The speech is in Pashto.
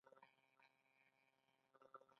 د عملیات وروسته د کومې میوې اوبه وڅښم؟